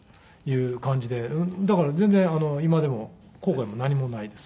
だから全然今でも後悔も何もないです。